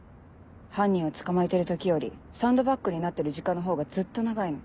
犯人を捕まえてる時よりサンドバッグになってる時間のほうがずっと長いの。